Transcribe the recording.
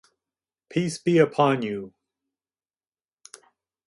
Peace be upon you.